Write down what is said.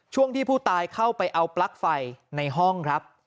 ช่วงที่ผู้ตายเข้าไปเอาปลั๊กไฟในห้องครับ